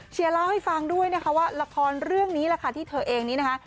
เชียร์เล่าให้ฟังด้วยว่าละครเรื่องนี้ละค่ะที่เธอเองนี้นะคะ